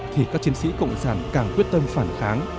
thì các chiến sĩ cộng sản càng quyết tâm phản kháng